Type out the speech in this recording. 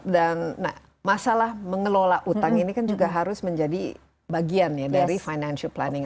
dan masalah mengelola utang ini kan juga harus menjadi bagian ya dari financial planning